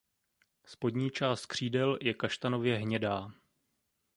Spodní část křídel je kaštanově hnědá.